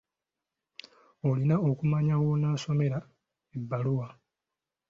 Olina okumanya w'onaasomera ebbaluwa.